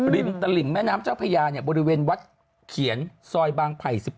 ตลิ่งแม่น้ำเจ้าพญาบริเวณวัดเขียนซอยบางไผ่๑๘